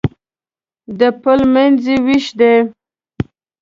د پل منځ یې وېش دی.